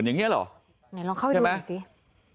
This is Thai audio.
ลองเข้าไปดูดูสิใช่ไหม